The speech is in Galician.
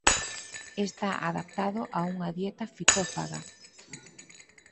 Está adaptado a unha dieta fitófaga.